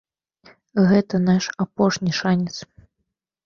Гэта наш апошні шанец.